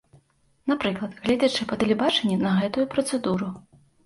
Напрыклад, гледзячы па тэлебачанні на гэтую працэдуру.